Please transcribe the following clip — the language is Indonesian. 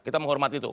kita menghormati itu